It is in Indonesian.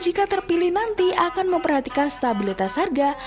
jika terpilih nanti akan memperhatikan stabilitas harga